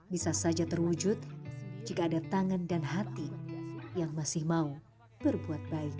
bisa saja terwujud jika ada tangan dan hati yang masih mau berbuat baik